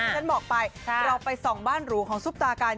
ฉันบอกไปเราไปส่องบ้านหรูของซุปตากัน